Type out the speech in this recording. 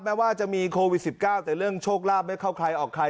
แม้ว่าจะมีโควิด๑๙แต่เรื่องโชคลาภไม่เข้าใครออกใคร